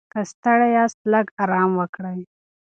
که ستړي یاست، لږ ارام وکړئ.